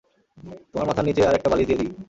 তোমার মাথার নিচে আর একটা বালিশ দিয়ে দিই।